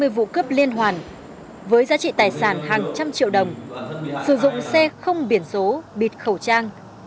hai mươi vụ cướp liên hoàn với giá trị tài sản hàng trăm triệu đồng sử dụng xe không biển số bịt khẩu trang